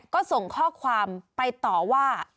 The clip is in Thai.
ก็ส่งข้อความไปต่อว่า